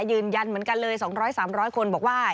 ยืนยันเหมือนกันเลย๒๐๐๓๐๐คนบอกว่า